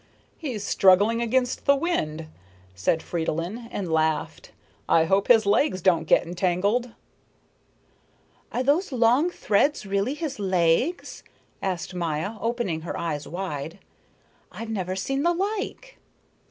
"He's struggling against the wind," said Fridolin, and laughed. "I hope his legs don't get entangled." "Are those long threads really his legs?" asked Maya, opening her eyes wide. "I've never seen the like."